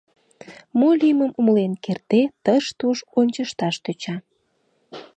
Мо лиймым умылен кертде, тыш-туш ончышташ тӧча.